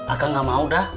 akang gak mau dah